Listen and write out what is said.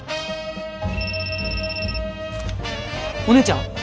お姉ちゃん！？